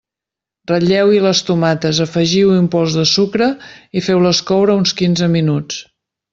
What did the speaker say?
Ratlleu-hi les tomates, afegiu-hi un pols de sucre i feu-les coure uns quinze minuts.